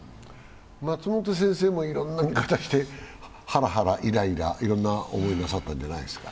松本先生もいろいろな味方して、ハラハラ、イライラ、いろいろな思いをなさったんじゃないですか？